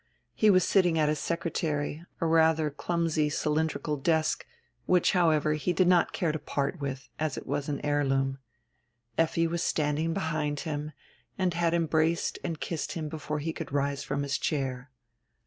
He was sitting at his secretary, a ratiier clumsy cylin drical desk, which, however, he did not care to part with, as it was an heirloom. Effi was standing behind him, and had embraced and kissed him before he could rise from his chair.